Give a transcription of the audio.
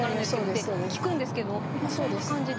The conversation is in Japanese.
って聞くんですけどそんな感じで？